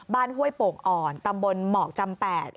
บ้านห้วยปงอ่อนตำบลหมอกจำแปด